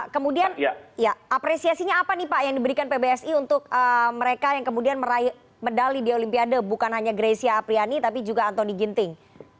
kemudian ya apresiasinya apa nih pak yang diberikan pbsi untuk mereka yang kemudian meraih medali di olimpiade bukan hanya grecia apriani tapi juga antoni ginting